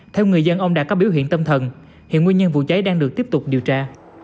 theo người dân ông đã có biểu hiện tâm thần hiện nguyên nhân vụ cháy đang được tiếp tục điều tra